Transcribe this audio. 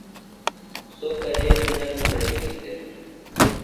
سوۡ کرے بیۡ نہ بِدرَگی دےۡ۔